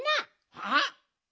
はあ？